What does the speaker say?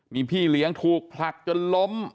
มีพี่เลี้ยงถูกผลักจนล้ม